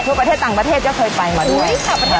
ทั่วประเทศทั่วประเทศก็เคยมาด้วย